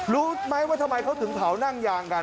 รู้ไหมว่าทำไมเขาถึงเผานั่งยางกัน